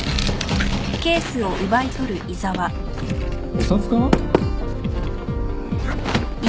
お札かな？